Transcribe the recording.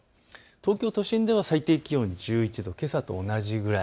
東京都心では最低気温１１度、けさと同じくらい。